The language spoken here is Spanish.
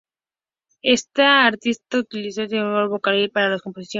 Este artista utilizó un sintetizador Vocaloid para sus composiciones.